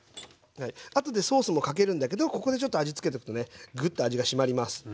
あとでソースもかけるんだけどここでちょっと味つけとくねグッと味が締まります。